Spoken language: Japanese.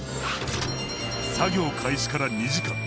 作業開始から２時間。